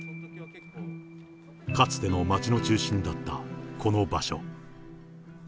かつての町の中心だったこの場所。